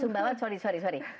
sumbawa daerah daerah situ